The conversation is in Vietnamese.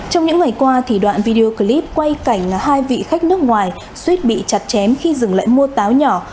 trong những ngày qua đoạn video clip quay cảnh hai vị khách nước ngoài suýt bị chặt chém khi dừng lại mua táo nhỏ